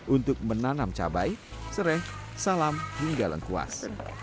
untuk menanam cabai serai salam hingga lengkuas